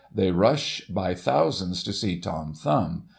They rush by thousands to see Tom Thumb.